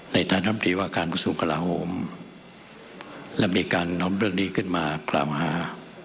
ในท่านอภิปรายว่าการผู้สูงคลาโฮมและมีการนำเรื่องนี้ขึ้นมากล่าวหา